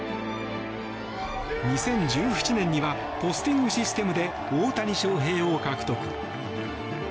２０１７年にはポスティングシステムで大谷翔平を獲得。